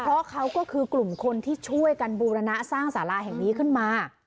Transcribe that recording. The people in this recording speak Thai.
เพราะเขาก็คือกลุ่มคนที่ช่วยกันบูรณะสร้างสาราแห่งนี้ขึ้นมา